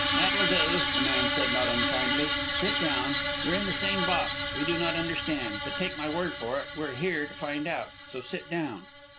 "That will do," the man said, not unkindly. "Sit down. We're in the same box. We do not understand. But take my word for it, we're here to find out. So sit down."